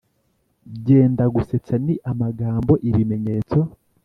Byendagusetsa ni amagambo, ibimenyetso